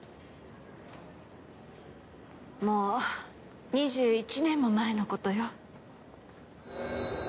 もう２１年も前のことよ。